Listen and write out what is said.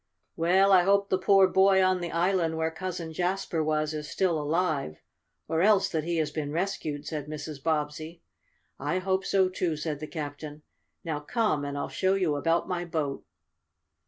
"Well, I hope the poor boy on the island where Cousin Jasper was is still alive, or else that he has been rescued," said Mrs. Bobbsey. "I hope so, too," said the captain. "Now come and I'll show you about my boat."